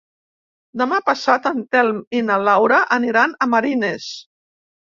Demà passat en Telm i na Laura aniran a Marines.